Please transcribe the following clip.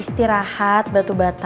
istirahat batu bata